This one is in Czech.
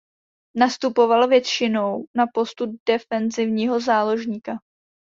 Nastupoval povětšinou na postu defenzivního záložníka.